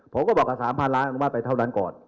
ผมก็บอกว่า๓๐๐๐ล้านอันวัดไปเท่านั้นก่อน